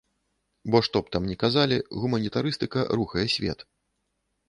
Бо, што б там ні казалі, гуманітарыстыка рухае свет.